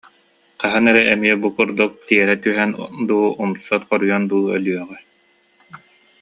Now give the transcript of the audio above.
Хаһан эрэ эмиэ бу курдук тиэрэ түһэн дуу, умса хоруйан дуу өлүөҕэ